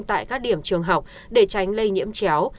tại các điểm trường học để tránh lây nhiễm chéo